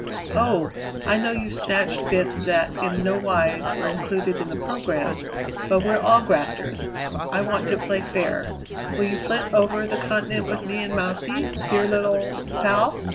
Oh! I know you've snatched bits that in no wise were included in the program, but we're all grafters. I want to play fair. Will you flit over the continent with me and Mousey, dear little pal?"